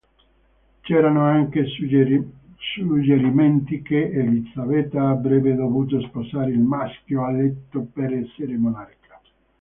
C'erano anche suggerimenti che Elisabetta avrebbe dovuto sposare il maschio eletto per essere monarca.